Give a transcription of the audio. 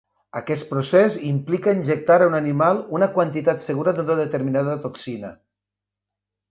Aquest procés implica injectar a un animal una quantitat segura d'una determinada toxina.